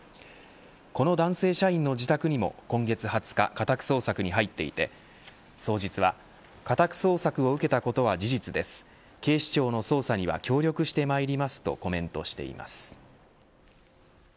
この男性社員の自宅にも今月２０日家宅捜索に入っていて、双日は家宅捜索を受けたことは事実です警視庁の捜査には協力してまいりますとコメントしています。